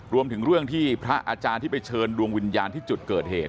รวมถึงเรื่องที่พระอาจารย์ที่ไปเชิญดวงวิญญาณที่จุดเกิดเหตุ